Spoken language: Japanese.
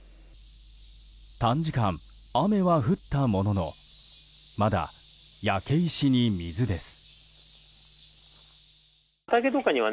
短時間、雨は降ったもののまだ焼け石に水です。